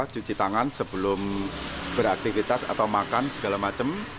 cuci tangan sebelum beraktivitas atau makan segala macam